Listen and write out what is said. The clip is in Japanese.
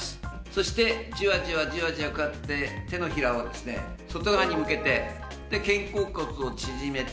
そしてじわじわじわじわこうやって手のひらを外側に向けて肩甲骨を縮めて。